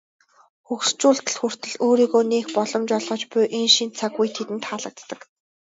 Хөгшчүүлд хүртэл өөрийгөө нээх боломж олгож буй энэ шинэ цаг үе тэдэнд таалагддаг.